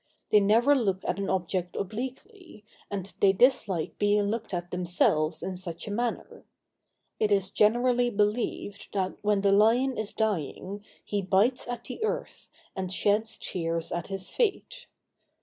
They never look at an object obliquely, and they dislike being looked at themselves in such a manner. It is generally believed, that, when the lion is dying, he bites at the earth, and sheds tears at his fate.